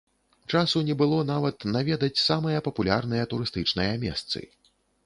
Часу не было нават наведаць самыя папулярныя турыстычныя месцы.